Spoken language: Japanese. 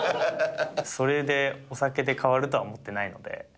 それでお酒で変わるとは思ってないので。